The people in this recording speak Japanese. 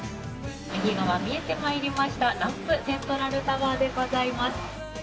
右側、見えてまいりました、ランプセントラルタワーでございます。